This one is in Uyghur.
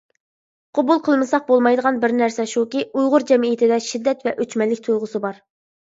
قوبۇل قىلمىساق بولمايدىغان بىر نەرسە شۇكى، ئۇيغۇر جەمئىيىتىدە شىددەت ۋە ئۆچمەنلىك تۇيغۇسى بار.